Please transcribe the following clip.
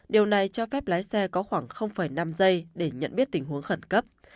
điều này cho phép lái xe có khoảng năm giây để nhận biết tình huống khẩn cấp